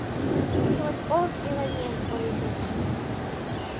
He was of Iranian origin.